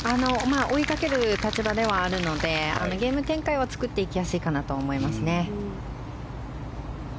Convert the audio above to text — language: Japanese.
追いかける立場ではあるのでゲーム展開は作っていきやすいかなと思いますね。